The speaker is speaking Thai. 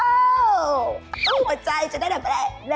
ต้องหัวใจจะได้แบบแหละ